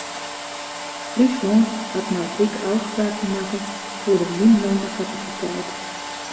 Fryslân hat mei it ryk ôfspraken makke oer de wynmûnekapasiteit.